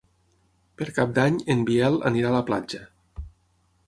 Per Cap d'Any en Biel anirà a la platja.